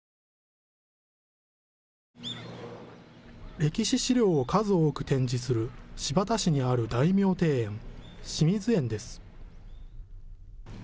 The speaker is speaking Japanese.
歴史資料を数多く展示する新発田市にある大名庭園、清水園です。